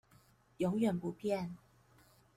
永遠不變